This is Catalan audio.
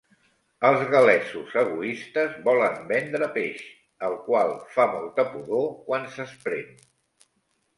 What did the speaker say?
Els gal·lesos egoistes volen vendre peix, el qual fa molta pudor quan s'esprem.